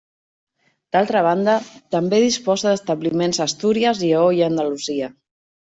D'altra banda, també disposa d'establiments a Astúries, Lleó i Andalusia.